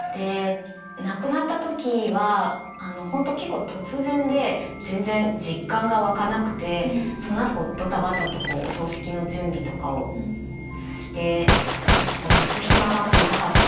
亡くなった時は本当結構突然で全然実感が湧かなくてそのあとドタバタとお葬式の準備とかをして何かこう泣く暇があんまりなかったんですけど。